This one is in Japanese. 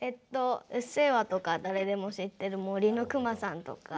「うっせぇわ」とか誰でも知ってる「森のくまさん」とか。